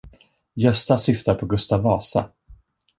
Gösta syftar på Gustav Vasa.